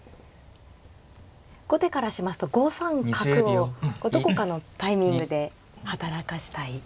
後手からしますと５三角をどこかのタイミングで働かせたい。